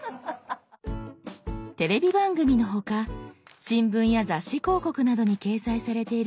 テレビ番組の他新聞や雑誌広告などに掲載されている